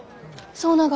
そうなが？